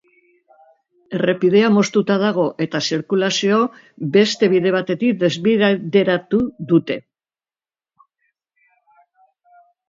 Errepidea moztuta dago eta zirkulazio beste bide batetik desbideratu dute.